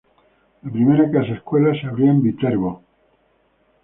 La primera casa escuela se abrió en Viterbo.